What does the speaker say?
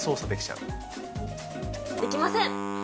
できません。